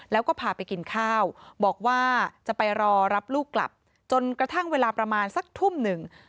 แล้วก็พาไปกินข้าวบอกว่าจะไปรอรับลูกกลับจนกระทั่งเวลาประมาณสักทุ่มหนึ่ง